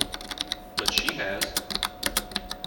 But she has.